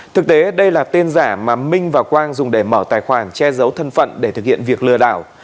thực tế đây là tên giả mà minh và quang dùng để mở tài khoản che giấu thân phận để thực hiện việc lừa đảo